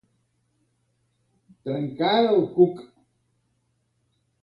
Trencar el cuc.